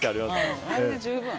あれで十分。